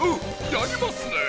やりますねえ！